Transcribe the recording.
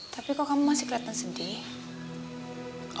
tapi kok kamu masih kelihatan sedih